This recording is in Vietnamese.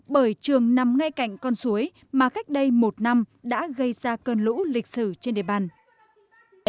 bởi trường nằm ngay cạnh con suối mà cách đây một năm đã gây ra cơn lũ lịch sử trên địa bàn